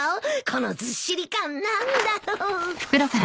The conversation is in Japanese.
このずっしり感何だろう？